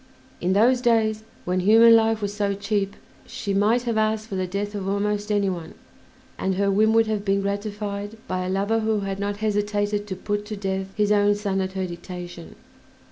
In those days, when human life was so cheap, she might have asked for the death of almost any one, and her whim would have been gratified by a lover who had not hesitated to put to death his own son at her dictation.